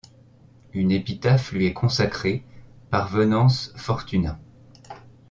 Une épitaphe lui est consacrée par Venance Fortunat.